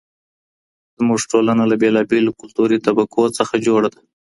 زموږ ټولنه له بېلابېلو کلتوري طبقو څخه جوړه ده.